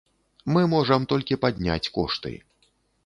Мы можам толькі падняць кошты.